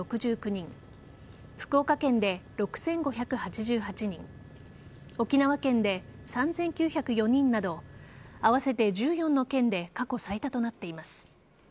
福岡県で６５８８人沖縄県で３９０４人など合わせて１４の県で過去最多となっています。